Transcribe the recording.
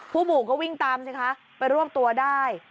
หมู่ก็วิ่งตามสิคะไปรวบตัวได้